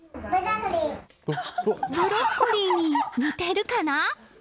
ブロッコリーに似てるかな？